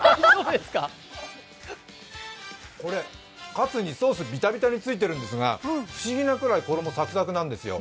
これ、カツにソース、ビタビタについてるんですが不思議なくらい、衣さくさくなんですよ。